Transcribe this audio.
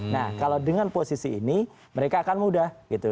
nah kalau dengan posisi ini mereka akan mudah gitu